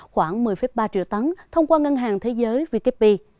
khoảng một mươi ba triệu tấn thông qua ngân hàng thế giới vkp